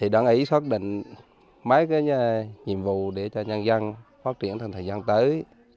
đoán ý xác định mấy nhiệm vụ để cho nhân dân phát triển thời gian tới